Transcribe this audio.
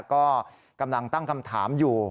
ก็กำลังตั้งคำถามอยู่